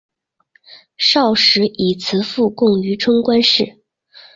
少时以辞赋贡于春官氏。